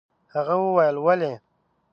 هغه وويل: ولې؟